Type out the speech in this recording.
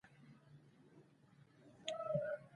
د کرنیزو وسایلو ساتنه د اقتصاد برخه بلل کېږي.